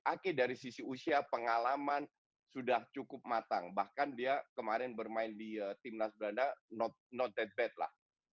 ake dari sisi usia pengalaman sudah cukup matang bahkan dia kemarin bermain di timnas belanda note bad lah